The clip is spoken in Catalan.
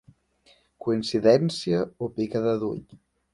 Coincidència o picada d’ull?